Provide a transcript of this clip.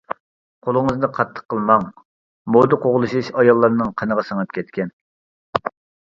قولىڭىزنى قاتتىق قىلماڭ، مودا قوغلىشىش ئاياللارنىڭ قېنىغا سىڭىپ كەتكەن.